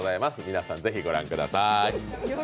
皆さん、ぜひ御覧ください。